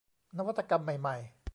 นวัตกรรมใหม่ใหม่